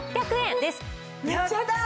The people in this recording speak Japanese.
やったー！